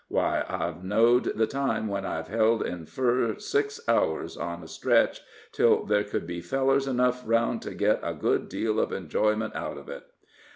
Why, I've knowed the time when I've held in fur six hours on a stretch, till there could be fellers enough around to git a good deal of enjoyment out of it."